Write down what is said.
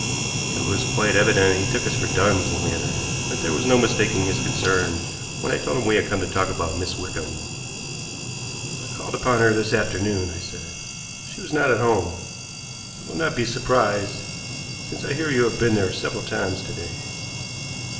It was quite evident he took us for duns when we entered, but there was no mistaking his concern when I told him we had come to talk about Miss Wickham. "I called upon her this afternoon," I said. "She was not at home. You will not be surprised, since I hear you have been there several times to day."